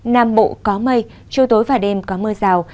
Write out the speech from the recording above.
nam bộ có mây chiều tối và đêm có mưa rào